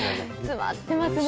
詰まってますね。